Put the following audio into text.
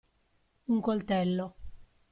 Un coltello.